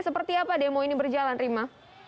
seperti apa demo ini berjalan rima